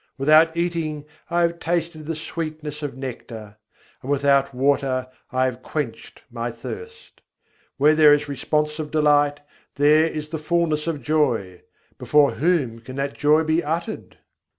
Without eating, I have tasted of the sweetness of nectar; and without water, I have quenched my thirst. Where there is the response of delight, there is the fullness of joy. Before whom can that joy be uttered?